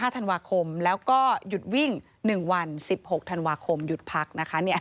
ธันวาคมแล้วก็หยุดวิ่ง๑วัน๑๖ธันวาคมหยุดพักนะคะ